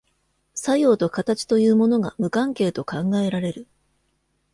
作用と形というものが無関係と考えられる。